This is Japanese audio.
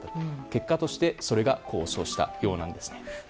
結果としてそれが功を奏したようなんですね。